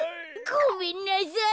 ごめんなさい。